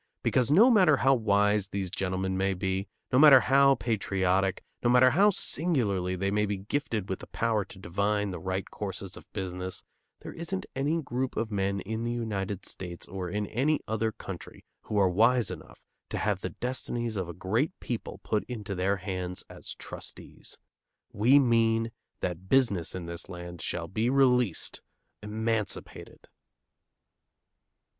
Because no matter how wise these gentlemen may be, no matter how patriotic, no matter how singularly they may be gifted with the power to divine the right courses of business, there isn't any group of men in the United States or in any other country who are wise enough to have the destinies of a great people put into their hands as trustees. We mean that business in this land shall be released, emancipated.